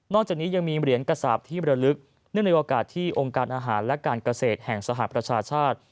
จากนี้ยังมีเหรียญกระสาปที่บรรลึกเนื่องในโอกาสที่องค์การอาหารและการเกษตรแห่งสหประชาชาติ